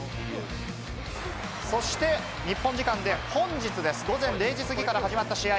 そして日本時間の本日午前０時過ぎから始まった試合。